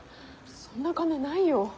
そんな金ないよ。